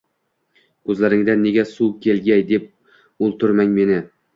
Koʼzlaringdan nega suv kelgay, deb oʼlturmang meni